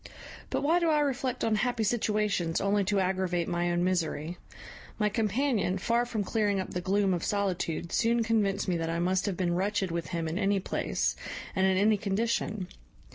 But why do I reflect on happy situations only to aggravate my own misery? my companion, far from clearing up the gloom of solitude, soon convinced me that I must have been wretched with him in any place, and in any condition.